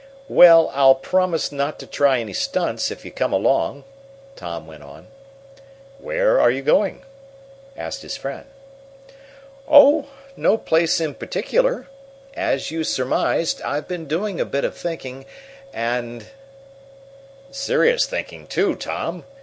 "Well, I'll promise not to try any stunts if you come along," Tom went on. "Where are you going?" asked his friend. "Oh, no place in particular. As you surmised, I've been doing a bit of thinking, and " "Serious thinking, too, Tom!"